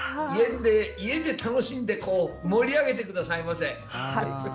家で楽しんで盛り上げてくださいませ！